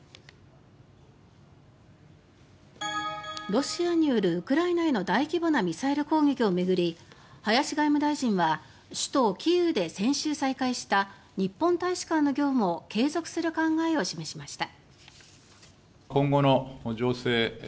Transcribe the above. ロシアによるウクライナへの大規模なミサイル攻撃を巡り林外務大臣は首都キーウで先週再開した日本大使館の業務を継続する考えを示しました。